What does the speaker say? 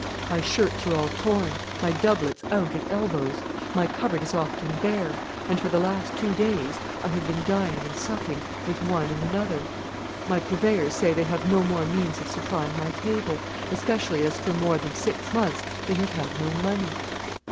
My shirts are all torn, my doublets out at elbows; my cupboard is often bare, and for the last two days I have been dining and supping with one and another; my purveyors say they have no more means of supplying my table, especially as for more than six months they have had no money.